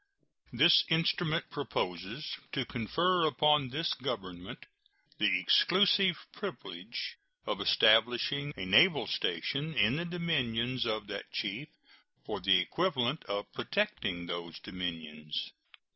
This instrument proposes to confer upon this Government the exclusive privilege of establishing a naval station in the dominions of that chief for the equivalent of protecting those dominions.